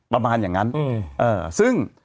ประมาณอย่างนั้นซึ่ง